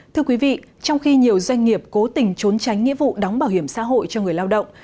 thưa quý vị trong khi nhiều doanh nghiệp cố tình trốn tránh nghĩa vụ đóng bảo hiểm xã hội cho người lao động